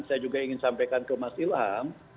saya juga ingin sampaikan ke mas ilham